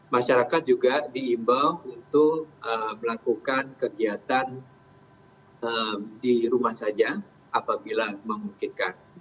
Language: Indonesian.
masyarakat juga diimbau untuk melakukan kegiatan di rumah saja apabila memungkinkan